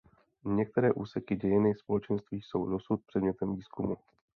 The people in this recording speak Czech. Některé úseky dějiny společenství jsou dosud předmětem výzkumů.